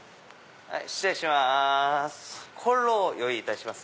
失礼します